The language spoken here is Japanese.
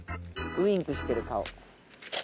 ウインクしてる顔。